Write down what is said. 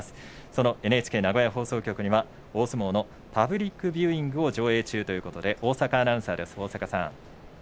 そのＮＨＫ名古屋放送局には大相撲のパブリックビューイングを上映中ということで大坂アナウンサーです。